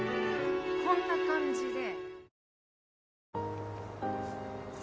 こんな感じで。